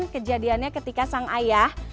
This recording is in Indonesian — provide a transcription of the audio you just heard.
kejadiannya ketika sang ayah